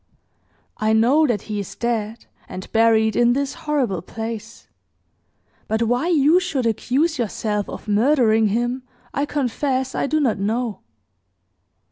"I know that he is dead, and buried in this horrible place; but why you should accuse yourself of murdering him, I confess I do not know."